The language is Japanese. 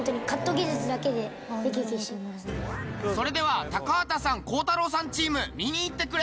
それでは高畑さん鋼太郎さんチーム見に行ってくれ。